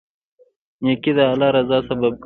نیکي د الله رضا سبب ګرځي.